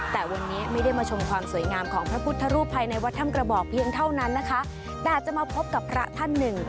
แต่วันนี้ไม่ได้มาชมความสวยงามของพระพุทธรูปภายในวัดถ้ำกระบอกเพียงเท่านั้นนะคะแต่จะมาพบกับพระท่านหนึ่ง